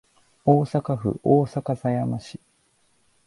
大阪府大阪狭山市